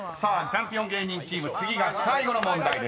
［チャンピオン芸人チーム次が最後の問題です。